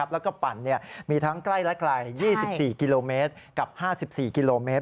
แล้วก็ปั่นมีทั้งใกล้และไกล๒๔กิโลเมตรกับ๕๔กิโลเมตร